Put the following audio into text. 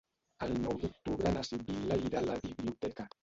El nou d'octubre na Sibil·la irà a la biblioteca.